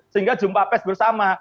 sehingga jumpa pes bersama